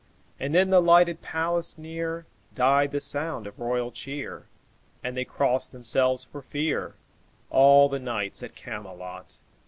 And in the lighted palace near Died the sound of royal cheer; And they crossed themselves for fear, All the knights at Camelot.